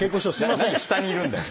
なんで下にいるんだよ。